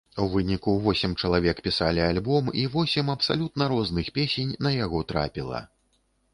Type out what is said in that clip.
У выніку восем чалавек пісалі альбом і восем абсалютна розных песень на яго трапіла.